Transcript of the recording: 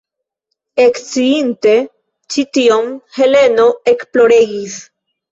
Eksciinte ĉi tion, Heleno ekploregis.